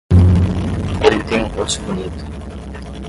Ele tem um rosto bonito.